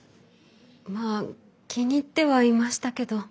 まあ気に入ってはいましたけど。